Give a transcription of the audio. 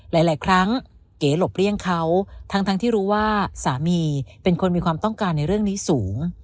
หลายครั้งเก๋หลบเลี่ยงเขาทั้งที่รู้ว่าสามีเป็นคนมีความต้องการในเรื่องนี้สูง